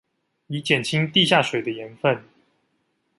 以減輕地下水的鹽分